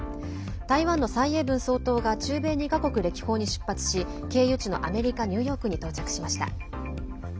台湾の蔡英文総統が中米２か国歴訪に出発し経由地のアメリカ・ニューヨークに到着しました。